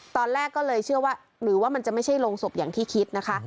ตอนแรกก็เลยเชื่อว่าหรือว่ามันจะไม่ใช่โรงศพอย่างที่คิดนะคะ